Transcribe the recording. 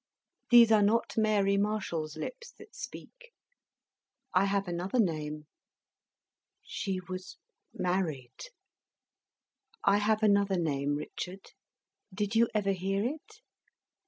These are not Mary Marshall's lips that speak. I have another name." She was married. "I have another name, Richard. Did you ever hear it?"